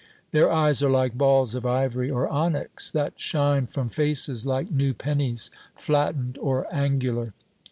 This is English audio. Their eyes are like balls of ivory or onyx, that shine from faces like new pennies, flattened or angular.